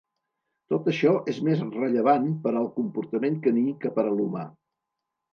Tot això és més rellevant per al comportament caní que per a l'humà.